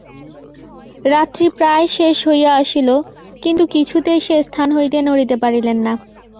রাত্রি প্রায় শেষ হইয়া আসিল, কিন্তু কিছুতেই সে স্থান হইতে নড়িতে পারিলেন না।